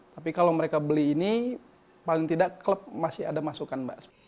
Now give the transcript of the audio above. tapi kalau mereka beli ini paling tidak klub masih ada masukan mbak